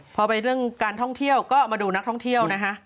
พอไปเรื่องการท่องเที่ยวก็มาดูนักท่องเที่ยวนะฮะ